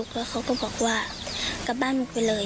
เขาก็บอกว่ากลับบ้านไปเลย